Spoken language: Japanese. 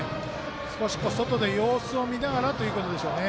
少し外で様子を見ながらということでしょうね。